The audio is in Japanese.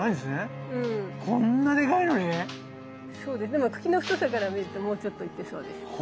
でも茎の太さから見るともうちょっといってそうですけどね。